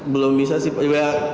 belum bisa sih